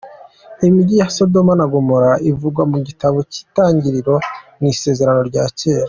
Imijyi ya Sodoma na Gomora ivugwa mu gitabo cy’Itangiriro mu isezerano rya kera.